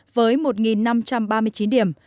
với một năm trăm ba mươi điểm